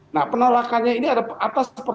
nah penolakannya ini ada atas